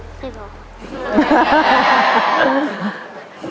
ไม่พอ